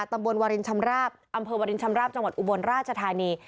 ตำบลวารินชำราบอำเภอวรินชำราบจังหวัดอุบลราชธานี